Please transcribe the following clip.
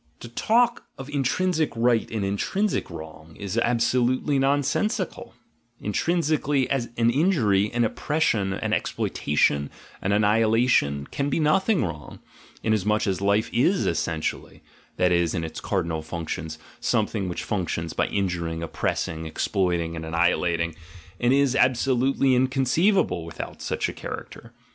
To talk of intrinsic right and intrinsic wrong is absolutely nonsensical; intrinsically, an injury, an oppression, an exploitation, an annihilation can be nothing wrong, inas much as life is essentially (that is, in its cardinal func tions) something which functions by injuring, oppressing, exploiting, and annihilating, and is absolutely inconceiv able without such a character.